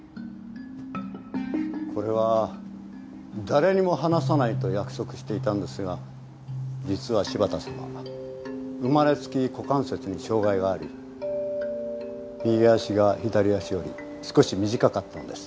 これは誰にも話さないと約束していたのですが実は柴田様は生まれつき股関節に障害があり右脚が左脚より少し短かったんです。